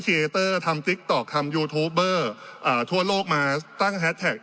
เคเตอร์ทำติ๊กต๊อกทำยูทูปเบอร์ทั่วโลกมาตั้งแฮสแท็ก